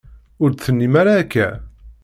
Ur d-tennim ara akka.